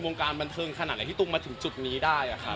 วงการบันเทิงขนาดไหนที่ตุงมาถึงจุดนี้ได้ครับ